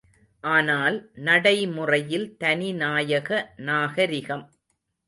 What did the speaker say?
ஆனால், நடைமுறையில் தனி நாயக நாகரிகம்!